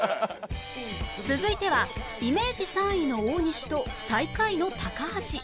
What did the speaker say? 続いてはイメージ３位の大西と最下位の高橋